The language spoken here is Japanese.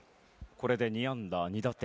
これで２安打２打点。